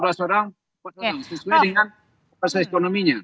kalau misalnya lima belas orang sesuai dengan kelas ekonominya